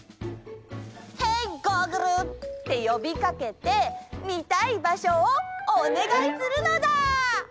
「ヘイ！ゴーグル」ってよびかけてみたい場所をおねがいするのだ！